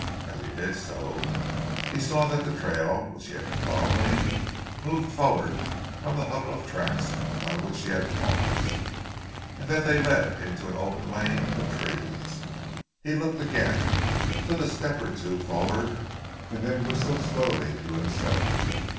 As he did so he saw that the trail, which he was following, moved forward from the huddle of tracks by which he had paused, and that they led into an open lane in the trees. He looked again, took a step or two forward, and then whistled slowly to himself.